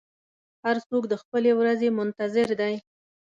هر څوک د خپلې ورځې منتظر دی.